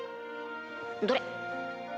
どれ。